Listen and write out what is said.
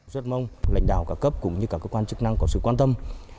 rất mong lãnh đạo cả cấp cũng như các cơ quan chức năng có sự quan tâm